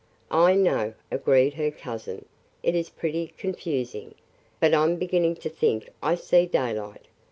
"I know," agreed her cousin, "it is pretty confusing, but I 'm beginning to think I see daylight.